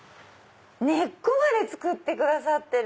根っこまで作ってくださってる！